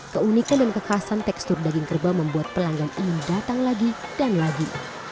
keunikan dan kekhasan tekstur daging kerbau membuat pelanggan ingin datang lagi dan lagi